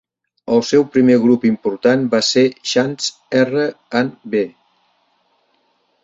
El seu primer grup important va ser Chants R and B.